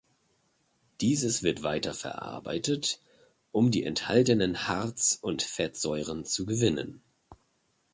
Dieses wird weiter verarbeitet, um die enthaltenen Harz- und Fettsäuren zu gewinnen.